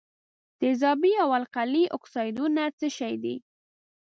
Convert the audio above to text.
تیزابي او القلي اکسایدونه څه شی دي؟